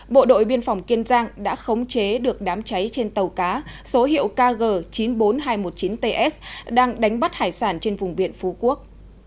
bộ đội biên phòng kiên giang đã khống chế được đám cháy trên tàu cá số hiệu kg chín mươi bốn nghìn hai trăm một mươi chín ts đang đánh bắt hải sản trên vùng biển phú quốc